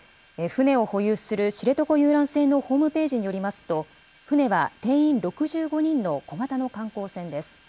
船を保有する知床遊覧船のホームページによりますと、船は定員６５人の小型の観光船です。